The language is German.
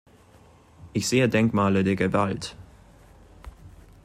Ich sehe Denkmale der Gewalt.